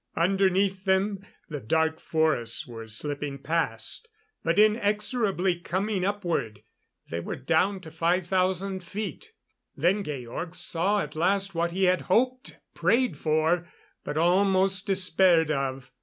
Underneath them, the dark forests were slipping past; but inexorably coming upward. They were down to 5,000 feet; then Georg saw at last what he had hoped, prayed for, but almost despaired of.